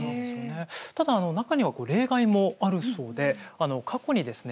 ただ中には例外もあるそうで過去にですね